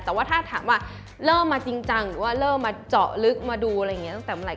แต่ว่าถ้าถามว่าเริ่มมาจริงจังหรือว่าเริ่มมาเจาะลึกมาดูอะไรอย่างนี้ตั้งแต่เมื่อไห